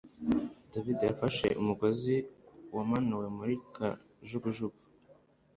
davide yafashe umugozi wamanuwe muri kajugujugu